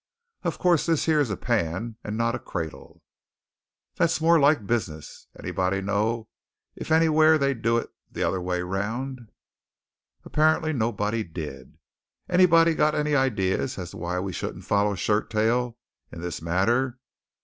Of course this here is a pan, and not a cradle." "That's more like business. Anybody know if anywhar they do it the other way around?" Apparently nobody did. "Anybody got any idees as to why we shouldn't follow Shirttail in this matter?